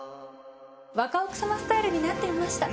若奥様スタイルになってみました。